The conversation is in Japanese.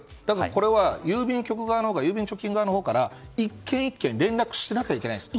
これは郵便貯金側のほうから１件１件連絡しなきゃいけない。